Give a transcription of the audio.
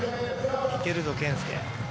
いけるぞ、建介。